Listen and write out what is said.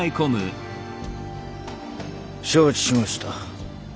承知しました。